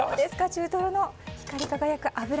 中トロの光り輝く脂！